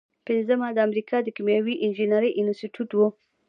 پنځمه د امریکا د کیمیاوي انجینری انسټیټیوټ و.